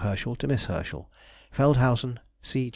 HERSCHEL TO MISS HERSCHEL. FELDHAUSEN, C.